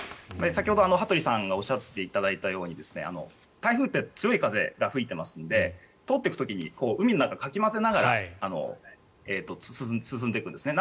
先ほど羽鳥さんがおっしゃっていただいたように台風って強い風が吹いているので通っていく時に海の中をかき混ぜながら進んでいくんですね。